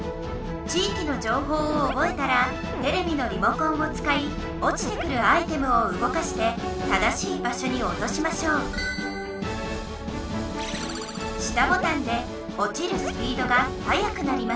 ちいきのじょうほうをおぼえたらテレビのリモコンをつかいおちてくるアイテムをうごかして正しいばしょにおとしましょう下ボタンでおちるスピードがはやくなります